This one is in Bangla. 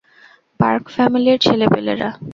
পার্ক ফ্যামিলির ছেলেপেলেরা।